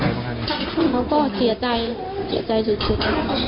เขาก็เสียใจเสียใจสุด